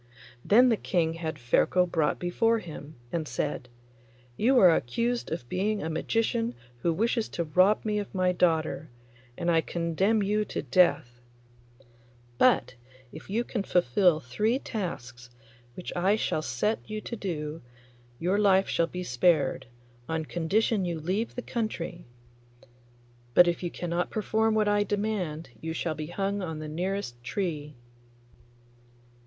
Then the King had Ferko brought before him, and said, 'You are accused of being a magician who wishes to rob me of my daughter, and I condemn you to death; but if you can fulfil three tasks which I shall set you to do your life shall be spared, on condition you leave the country; but if you cannot perform what I demand you shall be hung on the nearest tree.